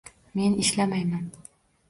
Men ishlamayman.